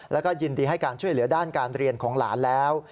แล้วก็ยินดีให้การช่วยเหลือด้านการเรียนของหลานแล้ว